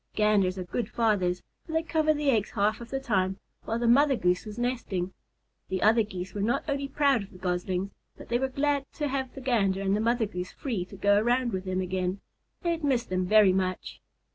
Ganders are good fathers, for they cover the eggs half of the time, while the Mother Goose is resting. The other Geese were not only proud of the Goslings, but they were glad to have the Gander and the Mother Goose free to go around with them again. They had missed them very much.